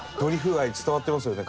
愛伝わってますよね？